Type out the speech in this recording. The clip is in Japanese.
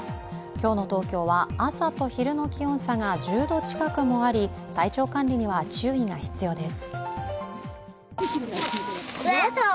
今日の東京は朝と昼の気温差が１０度近くもあり体調管理には注意が必要です。